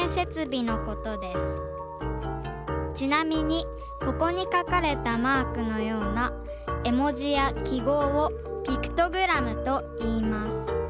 ちなみにここにかかれたマークのようなえもじやきごうをピクトグラムといいます。